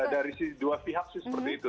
dari dua pihak sih seperti itu